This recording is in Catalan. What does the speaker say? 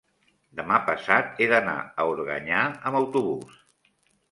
demà passat he d'anar a Organyà amb autobús.